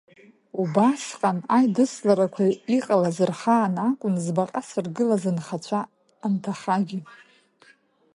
Убасҟан аидысларақәа иҟалаз рхаан акәын збаҟа сыргылаз анхацәа анҭахагьы.